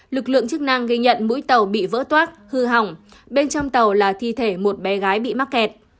lực lượng chức năng gây nhận mũi tàu bị vỡ toát hư hỏng bên trong tàu là thi thể một bé gái bị mắc kẹt